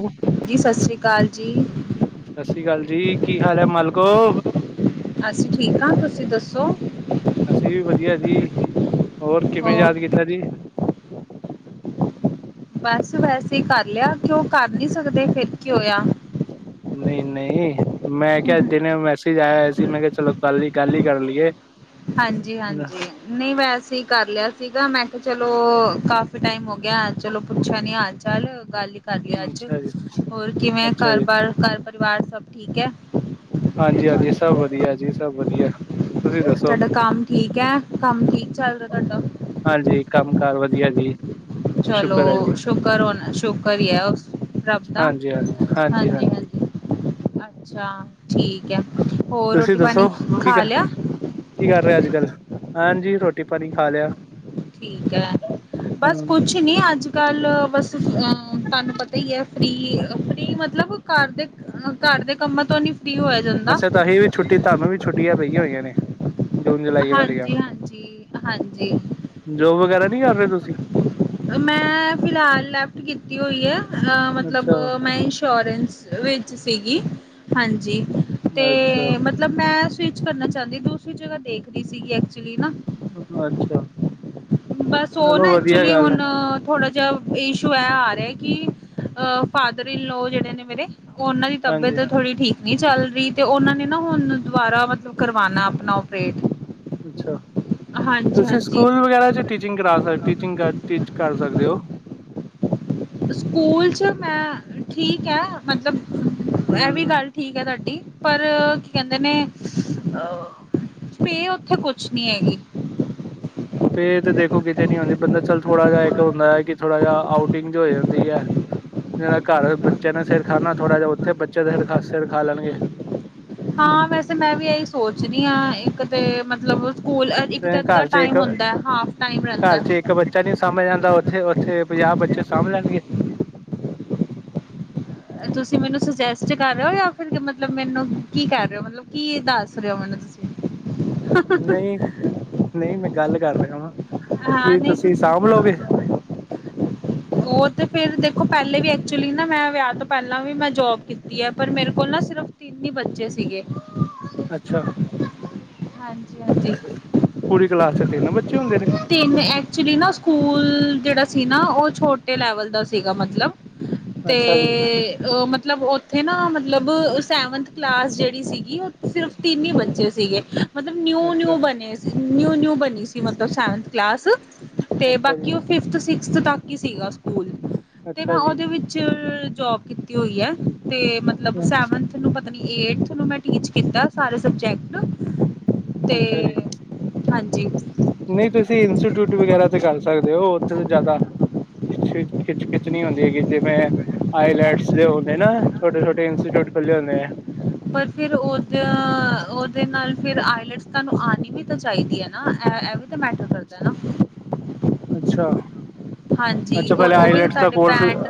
ਸਤਿ ਜੀ ਸਤਿ ਸ੍ਰੀ ਅਕਾਲ ਜੀ। ਸਤਿ ਸ਼੍ਰੀ ਅਕਾਲ ਜੀ, ਕੀ ਹਾਲ ਹੈ ਮਾਲਕੋ? ਅਸੀ ਠੀਕ ਹਾਂ, ਤੁਸੀਂ ਦੱਸੋ? ਅਸੀਂ ਵੀ ਵਧੀਆ ਜੀ ਹੋਰ, ਕਿਵੇਂ ਯਾਦ ਕੀਤਾ ਜੀ। ਬਸ ਵੈਸੇ ਕਰ ਲਿਆ। ਕਿਉਂ ਕਰ ਨਹੀਂ ਸਕਦੇ, ਫੇਰ ਕਿ ਹੋਇਆ। ਨਹੀਂ- ਨਹੀਂ। ਮੈਂ ਕਿਹਾ ਦਿਨੇ ਮੈਸੇਜ ਆਇ ਹੋਇਆ ਸੀ। ਮੈਂ ਕਿਹਾ ਚਲੋ ਗੱਲ ਹੀ, ਗੱਲ ਹੀ ਕਰ ਲਈਏ। ਹਾਂਜੀ- ਹਾਂਜੀ, ਨਹੀਂ ਵੈਸੇ ਹੀ ਕਰ ਲਿਆ ਸੀਗਾ। ਮੈਂ ਕਿਹਾ ਚਲੋ ਕਾਫ਼ੀ ਟਾਈਮ ਹੋ ਗਿਆ, ਚਲੋ ਪੁੱਛਿਆ ਨੀ ਹਾਲ- ਚਾਲ। ਚੱਲ ਗੱਲ ਹੀ ਕਰ ਲਈਏ ਅੱਜ। ਅੱਛਾ ਜੀ ਹੋਰ ਕਿਵੇਂ ਅੱਛਾ ਘਰ ਜੀ ਬਾਰ ਘਰ ਪਰਿਵਾਰ ਸਭ ਠੀਕ ਹੈ? ਹਾਂਜੀ- ਹਾਂਜੀ ਸਭ ਵਧੀਆ ਜੀ, ਸਭ ਵਧੀਆ। ਤੁਸੀਂ ਦੱਸੋ ਤੁਹਾਡਾ ਕੰਮ ਠੀਕ ਹੈ, ਕੰਮ ਠੀਕ ਚੱਲ ਰਿਹਾ ਤੁਹਾਡਾ? ਹਾਂਜੀ ਕੰਮ ਕਾਰ ਵਧੀਆ ਜੀ। ਸ਼ੁਕਰ ਹੈ ਚਲੋ ਜੀ ਸ਼ੁਕਰ ਹੋਣਾ ਸ਼ੁਕਰ ਈ ਐ ਉਸ ਰੱਬ ਦਾ ਹਾਂਜੀ ਹਾਂਜੀ ਹਾਂਜੀ ਹਾਂਜੀ ਅੱਛਾ ਠੀਕ ਐ ਹੋਰ ਤੁਸੀਂ ਰੋਟੀ ਦੱਸੋ ਪਾਣੀ ਕੀ ਖਾ ਕਰ ਲਿਆ ਕੀ ਕਰ ਰਹੇ ਅੱਜ ਕੱਲ੍ਹ ਹਾਂਜੀ ਰੋਟੀ ਪਾਣੀ ਖਾ ਲਿਆ ਠੀਕ ਹੈ ਬਸ ਹਮ ਕੁੱਛ ਕੁੱਛ ਨਹੀਂ ਅੱਜ ਕੱਲ ਬਸ ਤੁਹਾਨੂੰ ਪਤਾ ਈ ਐ ਫ੍ਰੀ ਫ੍ਰੀ ਮਤਲੱਬ ਘਰ ਦੇ ਘਰ ਦੇ ਕੰਮਾਂ ਤੋਂ ਨੀ ਫ੍ਰੀ ਹੋਇਆ ਜਾਂਦਾ ਅੱਛਾ ਤਾਂ ਅਸੀਂ ਵੀ ਛੁੱਟੀ ਤੁਹਾਨੂੰ ਵੀ ਛੁੱਟੀਆਂ ਪਈਆਂ ਹੋਈਆਂ ਨੇ ਜੂਨ ਜੁਲਾਈ ਵਾਲੀਆਂ ਹਾਂਜੀ ਹਾਂਜੀ ਹਾਂਜੀ ਜੋਬ ਵਗੈਰਾ ਨਹੀਂ ਕਰ ਰਹੇ ਤੁਸੀਂ ਮੈਂ ਫਿਲਹਾਲ ਲੈਫਟ ਕੀਤੀ ਹੋਈ ਐ ਅ ਅੱਛਾ, ਮਤਲੱਬ ਮੈਂ ਇੰਸ਼ੋਰੈਂਸ ਵਿੱਚ ਸੀਗੀ ਹਾਂਜੀ ਅਤੇ ਅੱਛਾ, ਮਤਲੱਬ ਮਤਲੱਬ ਮੈਂ ਸਵਿਚ ਕਰਨਾ ਚਾਹੁੰਦੀ ਦੂਸਰੀ ਜਗ੍ਹਾ ਦੇਖ ਰਹੀ ਸੀਗੀ ਐਕਚੁਲੀ ਨਾ ਅੱਛਾ ਬਸ ਉਹ ਚਲੋ ਨਾ ਵਧੀਆ ਐਕਚੁਲੀ ਗੱਲ ਹੁਣ ਹੈ, ਥੋੜਾ ਇਸ਼ੂ ਇਹ ਆ ਰਿਹਾ ਕਿ ਫਾਦਰ ਇਨ ਲੋੋ ਜਿਹੜੇ ਨੇ ਮੇਰੇ ਉਹਨਾਂ ਦੀ ਹਾਂਜੀ ਤਬੀਅਤ ਥੋੜ੍ਹੀ ਠੀਕ ਨਹੀਂ ਚੱਲ ਰਹੀ ਤੇ ਉਹਨਾਂ ਨੇ ਨਾ ਹੁਣ ਦੁਬਾਰਾ ਮਤਲੱਬ ਕਰਵਾਣਾ ਆਪਣਾ ਓਪਰੇਟ ਅੱਛਾ ਤੁਸੀਂ ਹਾਂਜੀ-ਹਾਂਜੀ ਸਕੂਲ ਵਗੈਰਾ ਚੱ ਟੀਚਿੰਗ ਕਰਾ ਸਕਦੇ ਟੀਚਿੰਗ ਕਰ ਟੀਚ ਕਰ ਸਕਦੇ ਹੋ ਸਕੂਲ 'ਚ ਮੈਂ ਠੀਕ ਹੈ ਮਤਲੱਬ ਇਹ ਵੀ ਹੂੰ ਗੱਲ ਠੀਕ ਹੈ ਤੁਹਾਡੀ ਪਰ ਕੀ ਕਹਿੰਦੇ ਨੇ ਪੈ ਉੱਥੇ ਕੁੱਛ ਨੀ ਹੈਗੀ ਪੈ ਤੇ ਦੇਖੋ ਕਿਤੇ ਨੀ ਹੁੰਦੀ ਬੰਦਾ ਚੱਲ ਥੋੜਾ ਜਿਹਾ ਇੱਕ ਹੁੰਦਾ ਹੈ ਕਿ ਥੋੜਾ ਜਿਹਾ ਆਊਟਿੰਗ ਹੋ ਜਾਂਦੀ ਏ ਜਿਹੜਾ ਘਰ ਬੱਚੇ ਨੇ ਸਿਰ ਖਾਨਾ ਥੋੜ੍ਹਾ ਜਿਹਾ ਉੱਥੇ ਬੱਚੇ ਸਿਰ ਖਾ ਲੇਣਗੇ ਹਾਂ ਵੈਸੇ ਮੈਂ ਵੀ ਇਹੀ ਸੋਚਦੀ ਹਾਂ ਇਕ ਤੇ ਮਤਲਬ ਸਕੂਲ ਇਕ ਤਾਂ ਤੇ ਅੱਧਾ ਘਰ ਚ ਇੱਕ ਟਮ ਹੁੰਦਾ ਹਾਫ ਟਾਈਮ ਰਹਿੰਦਾ ਘਰ ਚ ਇੱਕ ਬੱਚਾ ਨ ਸਾਂਭ ਜਾਂਦਾ ਉਥੇ ਉਥੇ ਪੰਜਾਹ ਬੱਚੇ ਸਾਂਭ ਲੈਣਗੇ ਤੁਸੀ ਮੈਨੂੰ ਸੁਜੈਸਟ ਕਰ ਰਹੇ ਹੋ ਜਾਂ ਫਿਰ ਮਤਲਬ ਮੈਨੂੰ ਕੀ ਕਰ ਰਹੇ ਹੋ ਮਤਲਬ ਕੀ ਦੱਸ ਰਹੇ ਹੋ ਮੈਨੂੰ ਤੁਸੀ ਨਹੀ ਨਹੀ ਮੈ ਗੱਲ ਕਰ ਰਿਹਾ ਵਾਂ ਹਾਂ ਕੀ ਨਹੀਂ ਤੁਸੀ ਸਾਂਭਲੋਗੇ [unintelligible] ਉਹ ਤੇ ਫਿਰ ਦੇਖੋ ਪਹਿਲੇ ਵੀ ਐਕਚੁਲੀ ਨਾ ਮੈਂ ਵਿਆਹ ਤੋਂ ਪਹਿਲਾਂ ਵੀ ਮੈਂ ਜੋਬ ਕੀਤੀ ਐ ਪਰ ਮੇਰੇ ਕੋਲ ਨਾ ਸਿਰਫ ਤਿੰਨ ਹੀ ਬੱਚੇ ਸੀਗੇ ਅੱਛਾ ਹਾਂਜੀ ਹਾਂਜੀ ਪੂਰੀ ਕਲਾਸ ਚੱ ਤਿੰਨ ਬੱਚੇ ਹੁੰਦੇ ਨੇ ਤਿੰਨ ਐਕਚੁਲੀ ਨਾ ਸਕੂਲ ਜਿਹੜਾ ਸੀ ਨਾ ਉਹ ਛੋਟੇ ਲੈਵਲ ਦਾ ਸੀਗਾ ਮਤਲਬ ਤੇ ਅੱਛਾ ਜੀ, ਮਤਲਬ ਉਹ - ਉਥੇ ਨਾ ਮਤਲਬ ਸੈਵਨਥ ਕਲਾਸ ਜਿਹੜੀ ਸੀਗੀ ਉਹ ਸਿਰਫ ਤਿੰਨ ਹੀ ਬੱਚੇ ਸੀਗੇ ਮਤਲਬ ਨਿਊ- ਅੱਛਾ, ਨਿਊ ਬਣੇ ਸੀ ਨਿਊ- ਨਿਊ ਬਣੀ ਸੀ ਮਤਲਬ ਸੈਵਥ ਕਲਾਸ ਤੇ ਅੱਛਾ ਜੀ, ਬਾਕੀ ਫਿਫਥ ਸਿਕਸਥ ਤੱਕ ਹੀ ਸੀਗਾ ਸਕੂਲ ਅਤੇ ਮੈ ਅੱਛਾ ਜੀ, ਉਹਦੇ ਵਿਚ ਜੋਬ ਕੀਤੀ ਹੋਈ ਐ। ਤੇ ਮਤਲਬ ਹੂੰ, ਸੈਵਨ ਤੈਨੂੰ ਪਤਾ ਨ ਮੈਂ ਐਠਥ ਨੂੰ ਟੀਚ ਕੀਤਾ ਸਾਰੇ ਸਬਜੈਕਟ ਤੇ ਹਾਂਜੀ- ਨਹੀ ਤੁਸੀ ਇੰਸਟੀਊਟ ਵਗੈਰਾ ਤੇ ਕਰ ਸਕਦੇ ਹੋ ਉਥੇ ਤਾਂ ਜ਼ਿਆਦਾ ਖਿ ਖਿਚ ਖਿੱਚਣੀ ਹੁੰਦੀ ਹੈਗੀ ਜਿਵੇ ਆਈਲੈਡਸ ਦੇ ਹੁੰਦੇ ਨਾ ਛੋਟ- ਛੋਟੇ ਇੰਸਟੀਚਿਊਟ ਖੁੱਲ੍ਹੇ ਹੁੰਦੇ ਆ ਪਰ ਫਿਰ ਉਹਦੇ ਉਹਦੇ ਨਾਲ ਫਿਰ ਆਈਲੈਟਸ ਤੁਹਾਨੂੰ ਆਉਣੀ ਵੀ ਤਾਂ ਚਾਹੀਦੀ ਹੈ। ਨਾ- ਮੈਟਰ ਕਰਦਾ ਨਾ- ਅਛਾ- ਹਾਂਜੀ ਅਛਾ ਉਹ ਪਹਿਲੇ ਉਹ ਵੀ ਤਾਂ ਆਈਲੈਟ ਦਾ ਤੁਹਾਡੇ ਕੋਰਸ ਬੈਂਡ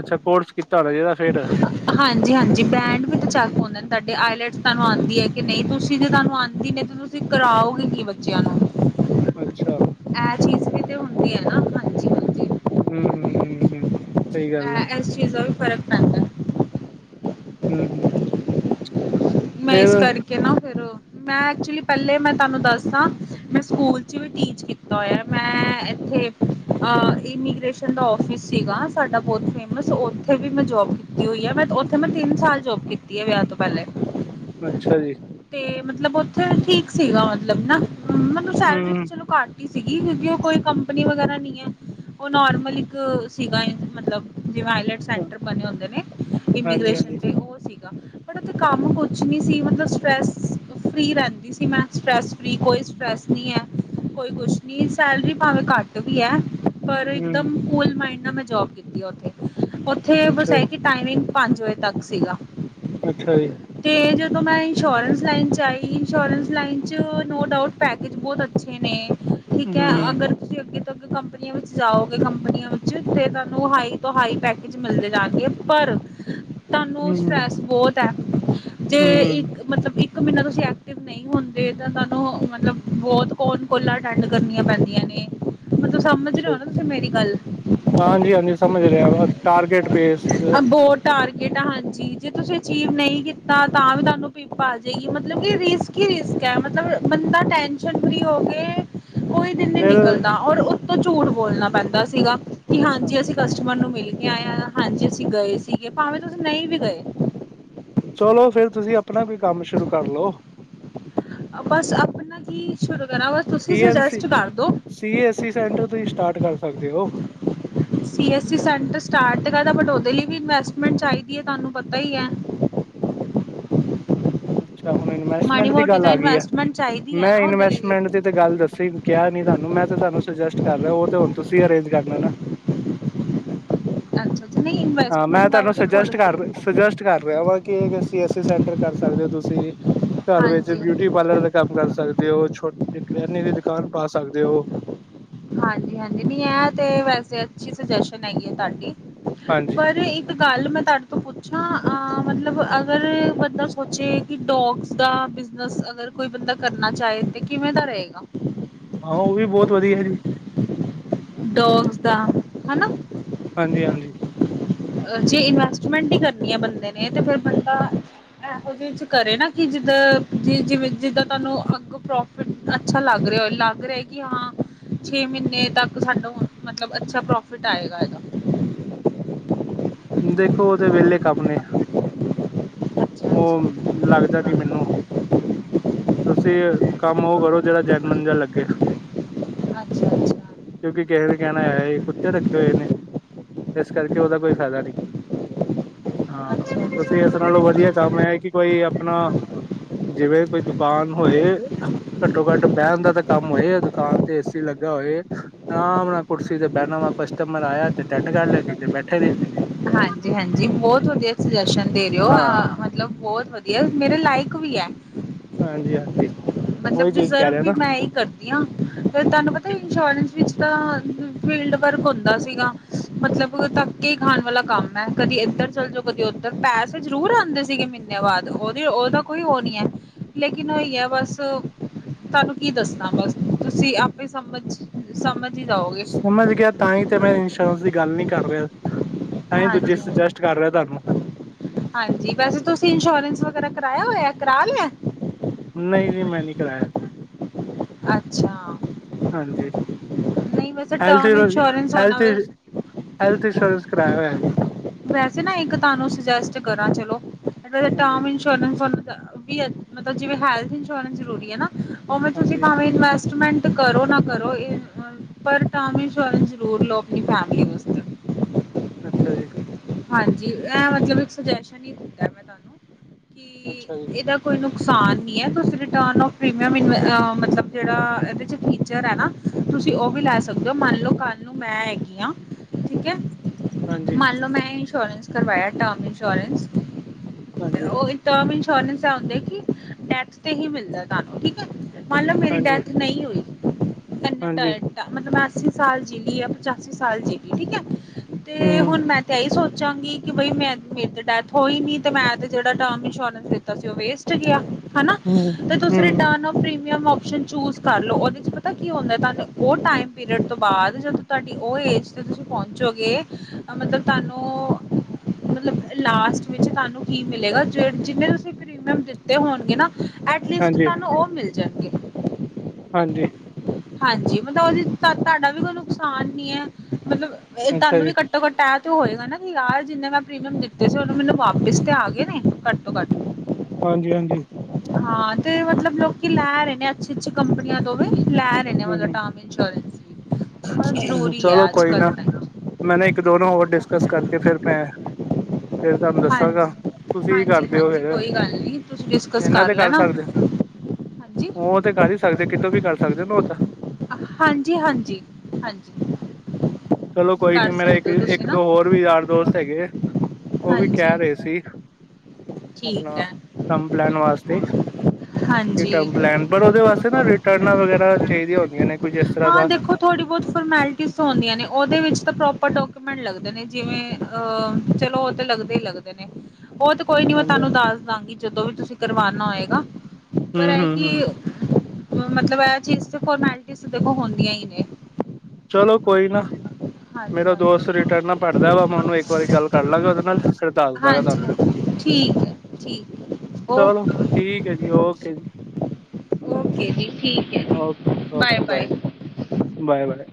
ਅਛਾ ਕੋਰਸ ਕੀਤਾ ਹੋਣਾ ਜਿਦਾ ਫੇਰ- ਹਾਂਜੀ ਹਾਂਜੀ ਬ੍ਰੈਂਡ ਵੀ ਤਾਂ ਚੱਕ ਪਾਉਦੇ ਤੁਡੇ ਆਈਲੈਟ ਤੁਾਨੂੰ ਆਉਦੀ ਹੈ ਕਿ ਨਹੀ ਤੁਸੀ ਜੇ ਤੁਹਾਨੂੰ ਆਉਦੀ। ਤੁਸੀ ਕਰਾਓਗੇ ਕੀ ਬੱਚਿਆਂ ਨੂੰ ਅਛਾ। ਇਹ ਚੀਜ਼ ਵੀ ਤੇ ਹੁੰਦੀ ਹੈ ਨਾ। ਹਾਂਜੀ ਹਾਂਜੀ ਹੂੰ ਹੂੰ ਹੂੰ ਹੂੰ। ਸਹੀ ਗੱਲ ਆ ਅ ਇਸ ਚੀਜ਼ ਦਾ ਵੀ ਫ਼ਰਕ ਪੈਂਦਾ। ਹੂੰ ਹੂੰ। ਮੈ ਫੇਰ ਇਸ ਕਰਕੇ ਨਾ ਫੇਰ ਮੈ ਐਕਚੁਲੀ ਪਹਿਲੇ ਮੈ ਤੁਹਾਨੂੰ ਦੱਸਦਾਂ ਮੈ ਸਕੂਲ ਚ ਵੀ ਟੀਚ ਕੀਤਾ ਹੋਇਆ ਮੈ ਇਥੇ। ਇਮੀਗ੍ਰੇਸ਼ਨ ਦਾ ਆਫਿਸ ਸੀਗਾ ਸਾਡਾ ਬਹੁਤ ਫੇਮ ਉਥੇ ਵੀ ਮੈਂ ਜੋਬ। ਕੀਤੀ ਹੋਈ ਹੈ। ਮੈਂ ਉਥੇ ਮੈਂ ਤਿੰਨ ਸਾਲ ਜੋਬ ਕੀਤੀ ਹੈ। ਵਿਆਹ ਤੋਂ ਪਹਿਲੇ। ਅਛਾ ਜੀ। ਤੇ ਮਤਲਬ ਉਥੇ ਠੀਕ ਸੀਗਾ ਮਤਲਬ ਨਾ ਮਤਲਬ ਸੈਲਰੀ ਤੇ ਹੂੰ, ਚਲੋ ਘੱਟ। ਸੀਗੀ ਕਿਉਕਿ ਉਹ ਕੋਈ ਕੰਪਨੀ ਵਗੈਰਾ ਨਹੀਂ ਹੈ। ਉਹ ਨੋਰਮਲ ਇਕ ਸੀਗਾ ਮਤਲਬ ਜਿ ਵੌਇਲਟ। ਸੈਂਟਰ ਬਣੇ ਹੁੰਦੇ ਨੇ ਇਮੀਗ੍ਰੇ ਹਾਂਜੀ-ਹਾਂਜੀ ਤੇ ਉਹ ਸੀਗਾ। ਕੰਮ ਕੁਛ ਨਹੀ ਸੀ ਮਤਲਬ ਸਟਰੈੱਸ ਫ੍ਰਰੀ ਰਹਿੰਦੀ ਸੀ ਮੈ ਸਟਰੈੱਸ ਫ੍ਰੀ ਕੋਈ ਸਟਰੈੱਸ ਨਹੀਂ ਹੈ। ਕੋਈ ਕੁਛ ਨੀ ਸੈਲਰੀ ਭਾਵੇਂ ਘੱਟ ਵੀ ਹੈ। ਪਰ ਇੱਕ ਹੂੰ, ਦਮ ਕੂਲ ਮਾਈਂਡ ਨਾਲ ਮੈਂ ਜੋਬ ਕੀਤੀਥੇ ਉਥੇਸ ਅੱਛਾ ਜੀ, ਟਾਈਮਿੰਗ ਪੰਜ ਵਜੇ ਤੱਕ ਸੀਗਾ। ਅੱਛਾ ਜੀ। ਤੇ ਜਦੋਂ ਮੈਂ ਇੰਸ਼ੋਰੈਂਸ ਲਾਈਨ ਚ ਆਈ ਇੰਸ਼ੋਰੈਂਸ ਲਾਈਨ ਚ ਨੋ ਡਾਊਟ। ਪੈਕੇਜ ਬਹੁਤ ਅੱਛੇ ਨੇ ਠੀਕ ਹੈ ਹੂੰ, ਅਗਰ। ਤੁਸੀਂ ਅੱਗੇ ਤੋਂ ਅੱਗੇ ਕੰਪਨੀਆਂ ਵਿੱਚ ਜਾਓਗੇ ਕੰਪਨੀਆਂ ਵਿੱਚ ਤੇ ਤੁਹਾਨੂੰ ਹਾਈ ਤੋਂ ਹਾਈ ਪੈਕ। ਮਿਲਦੇ ਜਾਂਗੇ ਪਰ ਤੁਹਾਨੂੰ ਹੂੰ, ਸਟਰ੍ਰੈਸ ਬਹੁਤ ਹੈ ਜੇ ਇੱਕ ਹੂੰ, ਮਤਲਬ ਇਕ। ਇਕ ਮਹੀਨਾ ਤੁਸੀਂ ਐਕਟਿਵ ਨਹੀਂ ਹੁੰਦੇ ਤਾਂ ਤੁਹਾਨੂੰ ਮਤਲਬ ਬਹੁਤ‌ ਕੋਲ ਕੋਲਾ ਅਟੈਂਡ ਕਰਨੀਆਂ ਪੈਂਦੀਆਂ ਨੇ। ਮਤਲਬ ਸਮਝ ਅੱਛਾ ਜੀ। ਨਾ ਰਿਹਾ ਕੀ ਮੇਰੀ ਗੱਲ। ਹਾਂਜੀ ਹਾਂਜੀ ਸਮਝ ਰਿਹਾ ਟਾਰਗੇਟ ਬੇਸ ਆ ਬੋਟ- ਟਾਰਗੇਟ ਹਾਂਜੀ ਜੇ ਤੁਸੀ ਅਚੀਵ ਨਹੀ ਕੀਤਾ ਤਾਂ ਵੀ ਤੁਹਾਨੂੰ ਪੀਪ ਆ ਜਾਏਗੀ ਮਤਲਬ ਕਿ ਰਿਸ। ਕੀ ਰਿਸਕ ਹੈ। ਮਤਲਬ ਬੰਦਾ ਟੈਸ਼ਨ ਫਰੀ ਹੋ ਕੇ ਕੋਈ ਦਿਨ ਨਹੀ ਫਿਰ ਨਿਕਲਦਾ ਔਰ ਉਤੋ ਝੂਠ ਬੋਲਣਾ ਪੈਂਦਾ ਸੀਗਾ। ਕਿ ਅੱਛਾ ਹਾਂਜੀ ਅਸੀ ਅੱਛਾ। ਕਸਟਮਰ ਨੂੰ ਮਿਲ ਕੇ ਆਏ ਹਾਂ ਹਾਂਜੀ ਅਸੀ ਗਏ ਸੀਗੇ ਭਾਵੇ ਤੁਸੀ ਨਹੀ ਵੀ ਗਏ। ਚਲੋ ਫੇਰ ਤੁਸੀ ਆਪਣਾ ਕੋਈ ਕੰਮ ਸ਼ੁਰੂ ਕਰ ਲਓ। ਬਸ ਆਪਣਾ ਕੀ ਸ਼ੁਰੁ ਕਰਾਂ ਬ ਤੁਸੀ ਸੀ ਐਨ ਸੀ ਸੁਜਸਟ ਕਰਦੋ। ਸੀ ਏ ਈ ਸੈਂਟਰ ਤੁਸੀ ਸਟਾਰਟ ਕਰ ਸਕਦੇ ਹੋ। C S E centre start ਕਰਦਾ ਬਟ ਉਹਦੇ ਲਈ ਵੀ ਇਨਵੈਸਟਮੈਂਟ ਚਾਹੀਦੀ ਹੈ। ਤੁਹਾਨੂੰ ਪਤਾ ਹੀ ਹੈ। ਅਛਾ ਹੁਣ ਮਾੜੀ ਇਨਵੈਸਟਮੈਂਟ ਦੀ ਮੋਟੀ ਗੱਲ ਤਾਂ ਆ ਗਈ ਹੈ। ਇਨਵੈਸਟਮੈਂਟ ਚਾਹੀਦੀ ਹੈ ਮੈ ਨਾ ਉਹਦੇ ਲਈ ਵੀ ਇਨਵੈਸਟਮੈਂਟ ਤੇ ਗੱਲ ਦੱਸੀ ਕਿਹਾ ਨੀ ਤੁਹਾਨੂੰ ਮੈ ਤੇ ਤੁਹਾਨੂੰ ਸੁਜੈਸਟ ਕਰ ਰਿਹਾ ਉਹ ਤੇ ਹੁਣ ਤੁਸੀ ਅਰੇਂਜ ਕਰਨਾ ਨਾ। ਅੱਛਾ ਅੱਛਾ ਨਹੀਂ ਹਾਂ ਇਨਵੈਸਟਮੈਂਟ ਮੈਂ ਦਾ ਤੁਹਾਨੂੰ ਵੀ ਤਾਂ ਥੋੜਾ ਸੁਜੈਸਟ ਕਰ- ਸੁਜੈਸਟ ਕਰ ਰਿਹਾ ਵਾ ਕਿ ਸੀ ਐਸਈ ਸੈਂਟਰ ਕਰ ਸਕਦੇ ਹੋ ਤੁਸੀਂ। ਘਰ ਵਿੱਚ ਹਾਂਜੀ ਬਿਊਟੀ ਪਾਰਲਰ ਦਾ ਕੰਮ ਕਰ ਸਕਦੇ ਹੋ ਛੋਟੇ ਕਰਿਆਨੇ ਦੀ ਦੁਕਾਨ ਪਾ ਸਕਦੇ ਹੋ। ਹਾਂਜੀ ਹਾਂਜੀ ਨੀ ਇਹ ਤੇ ਵੈਸੇ ਅੱਛੀ ਸਜੇਸ਼ਨ ਹੈਗੀ ਆ ਤੁਹਾਡੀ ਹਾਂਜੀ ਪਰ। ਇੱਕ ਗੱਲ ਮੈਂ ਤੁਹਾਡੇ ਤੋਂ ਪੁੱਛਾਂ ਮਤਲਬ ਅਗਰ ਬੰਦਾ ਸੋਚੇ। ਕਿ ਡੋਗਸ ਦਾ ਬਿਜਨਸ ਅਗਰ ਕੋਈ ਬੰਦਾ ਕਰਨਾ ਚਾਹੇ ਤੇ ਕਿਵੇਂ ਦਾ ਰਹੇਗਾ। ਹਾ ਉਹ ਵੀ ਬਹੁਤ ਵਧੀਆ ਜੀ। ਡੋਗਸ ਦਾ ਹਨਾ ਹਾਂਜੀ-ਹਾਂਜੀ। ਜੇ ਇਨਵੈਸਟਮੈਂਟ ਹੀ ਕਰਨੀ ਹੈ ਬੰਦੇ ਨੇ ਤਾਂ ਫਿਰ ਬੰਦਾ ਇਹੋ ਜਿਹੇ ਚ ਕਰੇ ਨਾ ਕਿ ਜਿੱਦ ਜਿਵੇਂ ਜਿੱਦਾਂ ਤੁਹਾਨੂੰ ਅੱਗੋ ਪਰੋਬਲਮ ਅੱਛਾ ਲੱਗ ਰਿਹਾ ਹੋ ਲੱਗ ਰਿਹਾ ਕਿ ਹਾਂ ਛੇ ਮਹੀਨੇ ਤੱਕ ਸਾਨੂੰ ਮਤਲਬ ਅੱਛਾ ਪ੍ਰੋਫਿਟ ਆਏਗਾ ਇਹਦਾ। ਦੇਖੋ ਉਹਦੇ ਵਿਹਲੇ ਕੰੱਮ ਨੇ ਅੱਛਾ ਉਹ ਲੱਗਦਾ ਨੀ ਮੈਨੂੰ ਤੁਸੀਂ ਕੰਮ ਉਹ ਕਰੋ, ਜਿਹੜਾ ਜੈਨੂਅਲ ਜ ਲੱਗੇ। ਅੱਛਾ-ਅੱਛਾ। ਕਿਉਂਕਿ ਕਿਸੇ ਨੇ ਕਹਿਣਾ ਹੈ ਕੁੱਤੇ ਰੱਖਿ ਹੋਏਨੇ ਇਸ ਕਰਕੇ ਉਹਦਾ ਕੋਈ ਫਾਇਦਾ ਨਹੀਂ। ਹਾਂ, ਅੱਛਾ ਤੁਸੀਂ ਇਸ ਨਾਲੋਂ ਵਧੀਆ ਕੰਮ ਹੈ ਕਿ ਕੋਈ ਆਪਣਾ ਜਿਵੇਂ ਕੋਈ ਦੁ ਦੁਕਾਨ ਹੋਏ ਘੱਟੋ-ਘੱਟ ਬਹਿਣ ਦਾ ਤਾਂ ਕੰਮ ਹੋਏ ਦੁਕਾਨ ਤੇ ਏਸੀ ਲੱਗਾ ਹੋਏ। ਆਰਾਮ ਨਾਲ ਕੁਰਸੀ ਤੇ ਬਹਿਣਾ ਵਾ ਕਸਟਮਰ ਆਇਆ ਤੇ ਅਟੈਂਡ ਕਰ ਲੈ ਨਹੀਂ ਤੇ ਬੈਠੇ ਰਹੇ। ਹਾਂਜੀ-ਹਾਂਜੀ, ਬਹੁਤ ਵਧੀਆ ਸੁਜੈਸ਼ਨ ਦੇ ਰਹੇ ਹੋ। ਹਾਂ ਮਤਲਬ ਬਹੁਤ ਵਧੀਆ ਮੇਰੇ ਲਾਇਕ ਵੀ ਹੈ। ਹਾਂਜੀ-ਹਾਂਜੀ ਉਹੀ ਮਤਲਬ ਚੀਜ਼ ਕਹਿ ਡੀਜ਼ਰਵ ਰਿਹਾ ਵੀ ਨਾ ਮੈਂ ਹੀ ਕਰਦੀ ਕਿਹਾ ਤੁਹਾਨੂੰ ਪਤਾ ਇੰਸ਼ੋਰੈਂਸ ਵਿੱਚ ਤਾਂ ਫੀਲਡ ਵਰਕ ਹੁੰਦਾ ਸੀਗਾ। ਮਤਲਬ ਧੱਕੇ ਖਾਣ ਵਾਲਾ ਕੰਮ ਮੈਮ ਕਦੀ ਇੱਧਰ ਚੱਲ ਜੋ, ਕਦੀ ਉੱਧਰ ਪੈਸੇ ਜ਼ਰੂਰ ਆਉਂਦੇ ਸੀਗੇ ਮਹੀਨੇ ਬਾਦ ਉਹਦੀ-ਉਹਦਾ ਕੋਈ ਉਹ ਨਹੀਂ ਹੈ। ਲੇਕਿਨ ਉਹੀ ਹੈ ਬਸ ਤੁਹਾਨੂੰ ਕੀ ਦੱਸਣਾ ਬਸ ਤੁਸੀਂ ਆਪੇ ਸਮਝ ਸਮਜ ਹੀ ਜਾਓਗੇ। ਸਮਝ ਗਿਆ ਤਾਂਹੀ ਤੇ ਮੈਂ ਇੰਸ਼ੋਰੈਂਸ ਦੀ ਗੱਲ ਨਹੀਂ ਕਰ ਰਿਹਾ ਤਾਂ ਹੀ ਦੂਜੀੇ ਹਾਂਜੀ ਸਜੈ ਟ ਕਰ ਰਿਹਾ ਤੁਹਾਨੂੰ, ਹਾਂਜੀ, ਵੈਸੇ ਤੁਸੀਂ ਇੰਸ਼ੋਰੈਂਸ ਵਗੈਰਾ ਕਰਵਾਾਇਆ ਹੋਇਆ ਕਰਾ ਲਿਆ। ਨਹੀਂ ਜੀ ਮੈਂ ਨਹੀਂ ਕਰਾਇਆ। ਅੱਛਾ। ਹਾਂਜੀ, ਨਹੀਂ ਵੈਸੇ ਹੈਲਥ- ਟਰਮ ਇੰਸ਼ੋਰੈਂਸ ਹੈਲਥ ਹੋਣਾ ਹੈਲਥ ਇੰਸ਼ੋਰੈਂਸ ਕਰਾਇਆ ਹੋਇਆ ਜੀ। ਵੈਸੇ ਨਾ ਇੱਕ ਤੁਹਾਨੂੰ ਸਜੈਸਟ ਕਰਾ ਚਲੋ। ਹਾਂਜੀ ਇਨਸ਼ੋਰੈਂਸ ਇੰਸੋ਼ਰਸ ਮਤਲਬ ਜਿਵੇਂ ਹੈਲਥ ਇੰਸ਼ੋਰੈਂਸ ਜ਼ਰੂਰੀ ਹੈਨਾ। ਉਵੇਂ ਤੁਸੀਂ ਹਾਂਜੀ ਭਾਵੇਂ ਇਨਵੈਸਟਮੈਂਟ ਤੇ ਕਰੋ ਨਾ ਕਰੋ ਪਰ ਟਰਮ ਇੰਸ਼ੋਰੈਂਸ ਜ਼ਰੂਰ ਲਓ ਆਪਣੀ ਫੈਮਿਲੀ ਵਸਤੇ। ਅੱਛਾ ਜੀ। ਹਾਂਜੀ, ਇਹ ਮਤਲਬ ਇੱਕ ਸੁਜੈਸ਼ਨ ਹੀ ਦਿਦਾ ਮੈਂ ਤੁਹਾਨੂੰ ਕਿ ਅੱਛਾ ਜੀ ਇਹਦਾ ਕੋਈ ਨੁਕਸਾਨ ਨਹੀਂ ਹੈ ਤੁਸੀਂ ਰਿਟਰਨ ਔਰ ਪ੍ਰੀਮੀਅਮ ਮਤਲਬ ਜਿਹੜਾ ਇਹਦੇ 'ਚ ਫੀਚਰ ਹੈਨਾ ਤੁਸੀਂ ਉਹ ਵੀ ਲੈ ਸਕਦੇ ਹੋ ਮੰਨ ਲਓ ਕੱਲ ਨੂੰ ਮੈਂ ਹੈਗੀ ਹਾਂ, ਠੀਕ ਹੈ। ਹਾਂਜੀ ਮੰਨ ਲੋ ਮੈਂ ਇੰਸ਼ੋਰੈਂਸ ਕਰਵਾਇਆ ਟਰਮ ਇੰਸ਼ੋਰੈਂਸ ਹਾਂਜੀ ਉਹ ਟਰਮ ਇਨਸੋਰਂਸ ਇਹ ਉਂਦ ਕਿ ਹੀ ਡੈਥ ਤੇ ਹੀ ਮਿਲਦਾ ਤੁਹਾਨੂੰ ਠੀਕ ਹੈ ਮਨਲੋ ਮੇਰੀ ਹਾਂਜੀ ਡੈਥ ਨਹੀਂ ਨੀ ਹੋਈ ਹ ਹਾਂਜੀ ਡਾਇਟ ਮਤਲਬ ਮੈਂ ਅੱਸੀ ਸਾਲ ਜੀਲੀ ਜਾ ਪਚਾਸੀ ਸਾਲ ਜੀਲੀ ਠੀਕ ਹੈ ਤੇ ਹਮ ਹੁਣ ਮੈਂ ਅਤੇ ਇਹੀ ਸੋਚਾਂਗੀ ਕਿ ਬਈ ਮੈਂ ਮੇਰੇ ਤਾਂ ਡੈਥ ਹੋਈ ਨਹੀਂ ਅਤੇ ਮੈਂ ਤਾਂ ਜਿਹੜਾ ਟਰਮ ਇੰਸ਼ੋਰੈਂਸ ਦਿੱਤਾ ਸੀ ਉਹ ਵੇਸਟ ਚਲਾ ਗਿਆ ਹੈਨਾ, ਹਮ ਤੇ ਤੁਸੀ ਹਮ return of premium option choose ਕਰ ਲੋ, ਉਹਦੇ ਚ ਪਤਾ ਕੀ ਹੁੰਦਾ ਉਹ ਟਾਈਮ ਪੀਰੀਅਡ ਤੋਂ ਬਾਅਦ ਜਦ ਤੁਹਾਡੀ ਉਹ ਏਜ ਤੇ ਤੁਸੀਂ ਪਹੁੰਚੋਗੇ ਮਤਲਬ ਤੁਹਾਨੂੰ ਮਤਲਬ ਲਾਸਟ ਵਿੱਚ ਤੁਹਾਨੂੰ ਕੀ ਮਿਲੇਗਾ ਜ ਜਿਵੇਂ ਤੁਸੀਂ ਪ੍ਰੀਮੀਅਮ ਦਿੱਤੇ ਹੋਣਗੇ ਨਾ ਐਟਲੀਸਟ ਹਾਂਜੀ ਤੁਹਾਨੂੰ ਉਹ ਮਿਲ ਜਾਣਗੇ। ਹਾਂਜੀ। ਹਾਂਜੀ, ਮਤਲਬ ਉਹਦੇ ਤੁਹਾਡਾ ਵੀ ਕੋਈ ਨੁਕਸਾਨ ਨੀ ਹੈ ਮਤਲਬ ਇਹ ਅੱਛਾ ਤੁਹਾਨੂੰ ਜੀ ਵੀੱ ਘੱਟੋ ਘੱਟ ਤੈ ਤੇ ਹੋਏਗਾ ਨਾ ਕਿ ਯਾਰ ਜਿੰਨੇ ਮੈਂ ਪ੍ਰੀਮੀਅਮ ਦਿੱਤੇ ਸੀ ਉਹਨੂੰ ਮੈਨੂੰ ਵਾਪਿਸ ਤੇ ਆ ਗਏ ਨੇ। ਘੱਟੋ-ਘੱਟ ਹਾਂਜੀ ਹਾਂਜੀ ਹਾਂ ਤੇ ਮਤਲਬ ਲੋਕੀ ਲੈ ਰਹੇ ਨੇ ਅੱਛੇ ਅੱਛੇ ਕੰਪਨੀਆਂ ਤੋਂ ਵੀ ਲੈ ਰਹੇ ਨੇ ਮਤਲਬ ਹਮ ਟਮ [unintelligible] ਬਹੁਤ ਜਰੂਰੀ ਐ ਅੱਜ ਕੱਲ ਮੈ ਨਾ ਇੱਕ ਦੋਨੋ ਹੋਰ ਡਿਸਕਸ ਕਰਕੇ ਫਿਰ ਮੈਂ ਫਿਰ ਤੁਹਾਨੂੰ ਦੱਸਾਂਗਾ। ਹਾਂਜੀ ਹਾਂਜੀ ਤੁਸੀਂ ਕੀ ਹਾਂਜੀ ਕਰਦੇ ਹੋ ਹਾਂਜੀ ਫੇਰ ਕੋਈ ਗੱਲ ਨਹੀਂ ਤੁਸੀਂ ਡਿਸਕਸ ਐਨਾ ਤੇ ਕਰ ਲੈਣਾ ਸਕਦੇ ਹੋ। ਹਾਂਜੀ ਉਹ ਤੇ ਕਰ ਹੀ ਸਕਦੇ ਕਿਦੋਂ ਵੀ ਕਰ ਸਕਦੇ ਨਾ ਉਹ ਤਾਂ ਹਾਂਜੀ ਹਾਂਜੀ ਹਾਂਜੀ। ਚਲੋ ਕੋਈ ਨੀ ਕਰ ਮੇਰਾ ਇੱਕ ਸਕਦੇ ਹੋ ਤੁਸੀਂ ਇੱਕ ਨਾ ਦੋ ਹੋਰ ਵੀ ਯਾਰ ਦੋਸਤ ਹੈਗੇ ਉਹ ਵੀ ਹਾਂਜੀ ਕਹਿ ਰਹੇ ਸੀ। ਆਪਣਾ ਠੀਕ ਹੈ ਕੰਮ ਪਲੈਣ ਵਾਸਤੇ। ਹਾਂਜੀ [unintelligible] ਪਲੈਨ ਪਰ ਉਹਦੇ ਵਾਸਤੇ ਨਾ ਰਿਟਰਨਾਂ ਵਗੈਰਾ ਚਾਹੀਦੀਆਂ ਹੁੰਦੀਆਂ ਨੇ ਕੁਝ ਇਸ ਤਰ੍ਹਾਂ ਹਾਂ ਦਾ ਦੇਖੋ ਥੋੜ੍ਹੀ ਬਹੁਤ ਫੋਰਮੈਲਿਟੀਜ਼ ਹੁੰਦੀਆਂ ਨੇ ਉਹਦੇ ਵਿੱਚ ਤਾਂ ਪ੍ਰੋਪਰ ਡੋਕੂਮੈਂਟ ਲੱਗਦੇ ਨੇ ਜਿਵੇਂ ਅਹ ਚਲੋ ਉਹ ਤੇ ਲੱਗਦੇ ਹੀ ਲੱਗਦੇ ਨੇ ਉਹ ਤੇ ਕੋਈ ਨੀ ਮੈਂ ਹਾਂਜੀ ਤੁਹਾਨੂੰ ਦੱਸ ਦਾਂਗੀ ਜਦੋਂ ਵੀ ਤੁਸੀਂ ਕਰਵਾਨਾ ਹੋਏਗਾ ਪਰ ਹੂੰ ਇਹ ਹੂੰ ਕਿ ਹੂੰ ਮਤਲਬ ਇਹ ਚੀਜ਼ ਤੇ ਫੋਰਮੈਲਿਟੀਜ਼ ਦੇ ਕੋਲ ਹੁੰਦੀਆਂ ਹੀ ਨੇ। ਚਲੋ ਕੋਈ ਨਾ। ਹਾਂਜੀ ਮੇਰਾ ਦੋਸਤ ਹਾਂਜੀ ਰਿਟਰਨ ਨਭਰਦਾ ਵਾ ਮੈਂ ਉਹਨੂੰ ਇੱਕ ਵਾਰੀ ਗੱਲ ਕਰ ਲਾਂਗਾ ਉਹਦੇ ਨਾਲ ਫਿਰ ਦੱਸਦਾਗਾ ਹਾਂਜੀ ਤੁਹਾਨੂੰ। ਹਾਂਜੀ ਠੀਕ ਐ ਠੀਕ ਚਲੋ ਓਕੇ। ਠੀਕ ਹੈ ਜੀ ਓਕੇ ਜੀ ਓਕੇ ਜੀ ਠੀਕ। Okay okay bye bye bye.